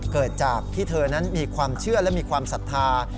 เกิดจากที่เธอนั้นมีความเชื่อและมีความศรัทธา